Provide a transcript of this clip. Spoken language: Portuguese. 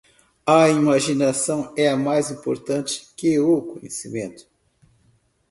A imaginação é mais importante que o conhecimento.